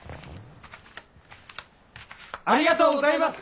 ありがとうございます！